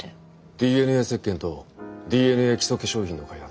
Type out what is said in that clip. ＤＮＡ石鹸とＤＮＡ基礎化粧品の開発。